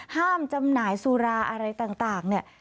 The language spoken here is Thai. จำหน่ายสุราอะไรต่างเนี่ย